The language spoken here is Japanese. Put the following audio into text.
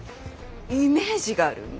イメージがあるんで。